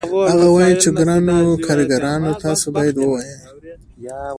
هغه وايي چې ګرانو کارګرانو تاسو باید وویاړئ